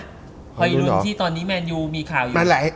ฮอยรุนที่ตอนนี้แมนยูมีข่าวอยู่